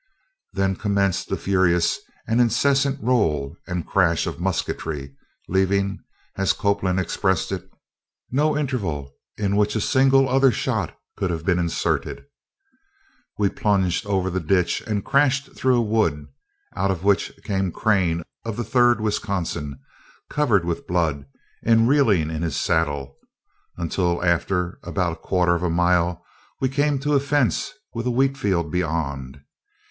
Then commenced the furious and incessant roll and crash of musketry, leaving, as Copeland expressed it, no interval in which a single other shot could have been inserted. We plunged over the ditch and crashed through a wood, out of which came Crane of the Third Wisconsin, covered with blood, and reeling in his saddle, until after about a quarter of a mile we came to a fence with a wheat field beyond.